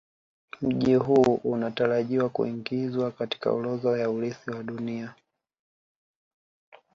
Mji huu unatarajiwa kuingizwa katika orodha ya Urithi wa Dunia